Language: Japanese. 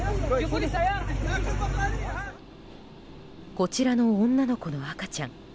こちらの女の子の赤ちゃん。